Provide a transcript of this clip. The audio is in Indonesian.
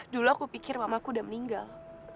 dulu aku pikir mamaku udah meninggal